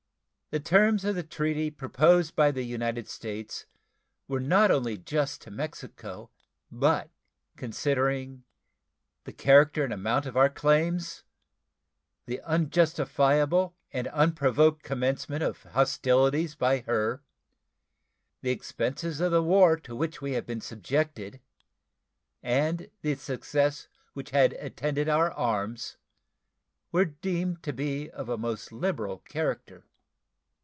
The terms of the treaty proposed by the United States were not only just to Mexico, but, considering the character and amount of our claims, the unjustifiable and unprovoked commencement of hostilities by her, the expenses of the war to which we have been subjected, and the success which had attended our arms, were deemed to be of a most liberal character.